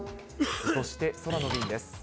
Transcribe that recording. そして空の便です。